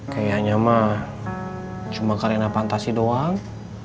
kayaknya mah cuma karena fantasi doang